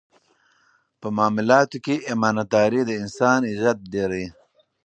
په معاملاتو کې امانتداري د انسان عزت ډېروي.